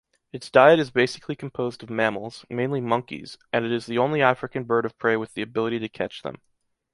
Its diet is basically composed of mammals, mainly monkeys, and it is the only African bird of prey with the ability to catch them.